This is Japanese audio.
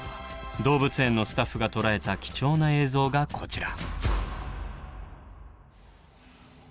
動物園のスタッフが捉えた貴重な映像がこちら。